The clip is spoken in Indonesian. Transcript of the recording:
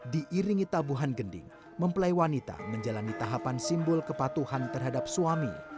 diiringi tabuhan gending mempelai wanita menjalani tahapan simbol kepatuhan terhadap suami